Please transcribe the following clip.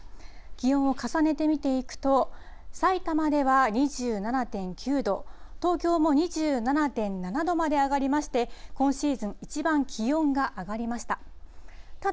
気温を重ねて見ていくと、さいたまでは２７．９度、東京も２７．７度まで上がりまして、今シーズン一番気温が上がりました。